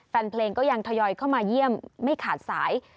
แฟนเพลงก็ยังทยอยเข้ามาเยี่ยมไม่ขาดสาย